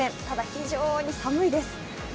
ただ、非常に寒いです。